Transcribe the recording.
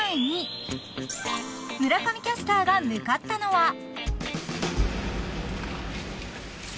［村上キャスターが向かったのは］